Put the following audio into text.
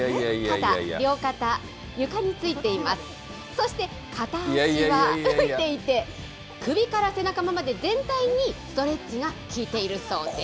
そして片足は浮いていて、首から背中まで全体にストレッチが効いているそうです。